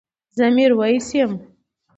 زه ميرويس يم